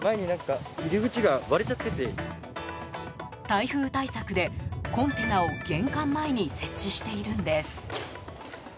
台風対策で、コンテナを玄関前に設置しているんです。